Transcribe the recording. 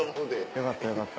よかったよかった。